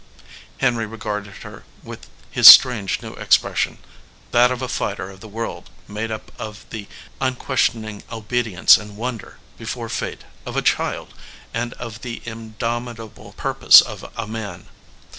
Henry regarded her with his strange new ex pression that of a fighter of the world, made up of the unquestioning obedience and wonder, before fate, of a child and of the indomitable purpose of a man.